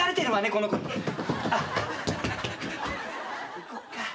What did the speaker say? いこっか。